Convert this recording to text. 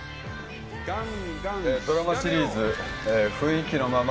ドラマシリーズ雰囲気のまま